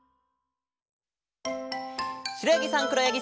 しろやぎさんくろやぎさん。